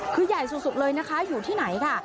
คือใหญ่สุดเลยนะคะอยู่ที่ไหนค่ะ